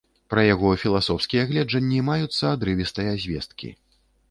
Пра яго філасофскія гледжанні маюцца адрывістыя звесткі.